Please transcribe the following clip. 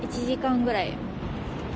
１時間ぐらい。